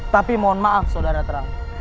tapi mohon maaf saudara terang